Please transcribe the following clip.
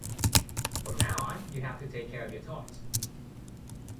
From now on you have to take care of your toys.